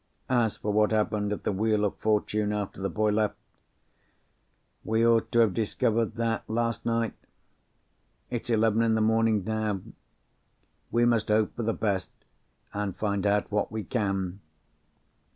As for what happened at 'The Wheel of Fortune,' after the boy left—we ought to have discovered that last night. It's eleven in the morning, now. We must hope for the best, and find out what we can."